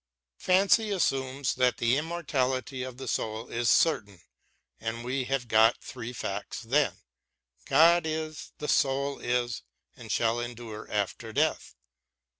Fancy assumes that the immortality of the soul is certain, and we have got three facts then : God is, the soul is and shall endure after death.